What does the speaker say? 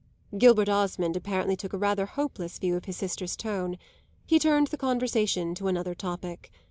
Gilbert Osmond apparently took a rather hopeless view of his sister's tone; he turned the conversation to another topic.